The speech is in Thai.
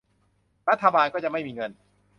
รัฐบาลก็จะไม่มีเงิน